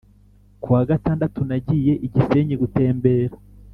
kuwa gatandatu nagiye I gisenyi gutembera